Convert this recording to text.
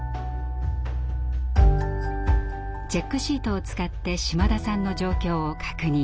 チェックシートを使って島田さんの状況を確認。